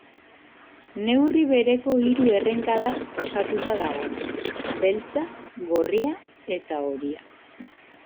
Neurri bereko hiru errenkadaz osatuta dago, beltza, gorria eta horia.